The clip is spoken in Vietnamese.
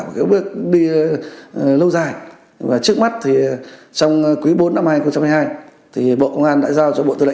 một cái bước đi lâu dài và trước mắt thì trong quý bốn năm hai nghìn hai mươi hai thì bộ công an đã giao cho bộ tư lệnh